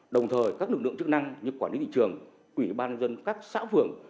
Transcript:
đồng thời các lực lượng chức năng như quản lý thị trường quỹ ban dân các xã phường